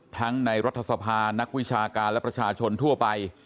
ในรัฐสภานักวิชาการและประชาชนทั่วไป